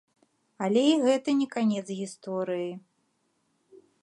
Але і гэта не канец гісторыі.